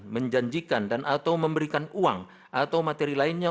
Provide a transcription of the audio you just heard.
menjanjikan dan atau memberikan uang atau materi lainnya